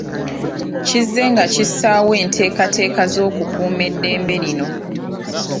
Kizzenga kissaawo enteekateeka ez’okukuuma eddembe lino.